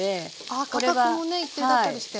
価格もね一定だったりして。